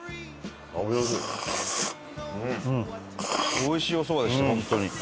「美味しいおそばでしたホントに」